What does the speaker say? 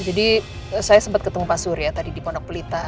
jadi saya sempat ketemu pak surya tadi di pondok pelita